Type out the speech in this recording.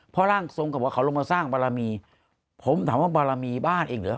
เพราะร่างทรงก็บอกเขาลงมาสร้างบารมีผมถามว่าบารมีบ้านเองเหรอ